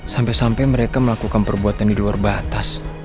sampai sampai mereka melakukan perbuatan di luar batas